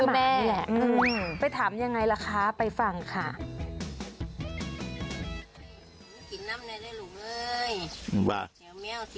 คุยกับตีตี้เลยตีตี้คือแม่หมานี่แหละไปถามยังไงล่ะคะไปฟังค่ะป้าติ๋มค่ะป้าติ๋มค่ะตีตี้คือแม่หมานี่แหละไปถามยังไงล่ะคะไปฟังค่ะ